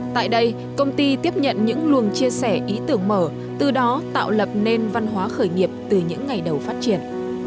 tại đây công ty tiếp nhận những luồng chia sẻ ý tưởng mở từ đó tạo lập nên văn hóa khởi nghiệp từ những ngày đầu phát triển